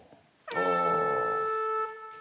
ああ。